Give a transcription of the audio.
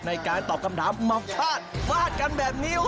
ในการตอบคำถามมาฟาดฟาดกันแบบนี้